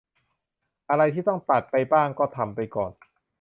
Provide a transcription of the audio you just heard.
อะไรที่ต้องตัดไปบ้างก็ทำไปก่อน